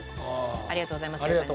ありがとうございますって感じ。